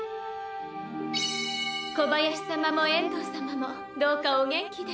小林様も遠藤様もどうかお元気で。